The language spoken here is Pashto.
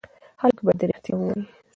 خلک باید رښتیا ووایي.